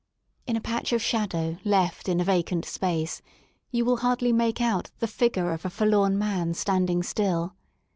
In a patch of shadow left in a vacant space, you will hardly make out the figure of a forlorn man standing still.